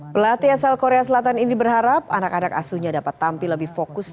pelatih asal korea selatan ini berharap anak anak asunya dapat tampil lebih fokus